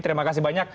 terima kasih banyak